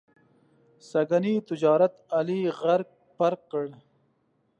سږني تجارت علي غرق پرق کړ.